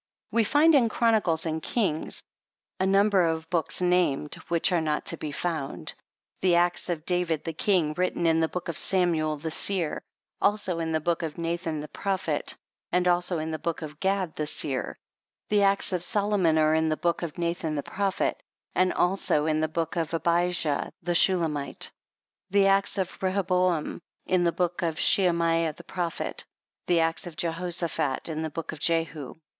We find in Chronicles and Kings a number of books IV PREFACE. named, which are not to be found. The acts of David the King, written in the Book of Samuel the Seer, also in the Book of Nathan the Prophet, and also in the Book of Gad the Seer ; the acts of Solomon are in the Book of Nathan the Prophet, and also in the Book of Abijah the Shulam ite ; the acts of Rehoboam in the Book of Shemaiah the Prophet ; the acts of Jehoshaphat in the Book of Jehu.